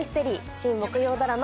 新木曜ドラマ